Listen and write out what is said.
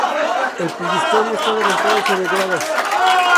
El presbiterio está levantado sobre gradas.